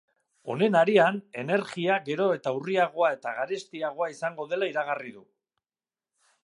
Honen harian, energia gero eta urriagoa eta garestiagoa izango dela iragarri du.